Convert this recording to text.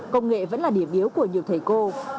công nghệ vẫn là điểm yếu của nhiều thầy cô